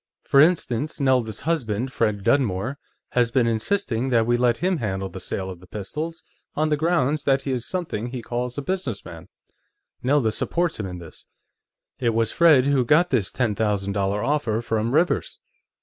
For instance, Nelda's husband, Fred Dunmore, has been insisting that we let him handle the sale of the pistols, on the grounds that he is something he calls a businessman. Nelda supports him in this. It was Fred who got this ten thousand dollar offer from Rivers.